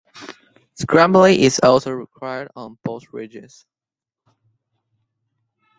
Scrambling is also required on both ridges.